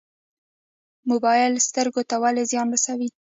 موبایل سترګو ته ولې زیان رسوي؟